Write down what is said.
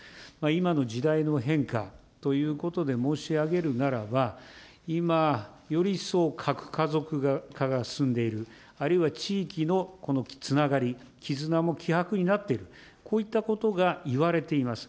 今の時代の変化ということで申し上げるならば、今、より一層核家族化が進んでいる、あるいは地域のこのつながり、絆も希薄になっている、こういったことがいわれています。